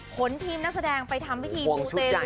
ขนทีมนักแสดงไปทำวิธีบูเตลุชุดใหญ่